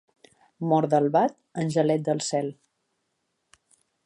Mort d'albat, angelet del cel.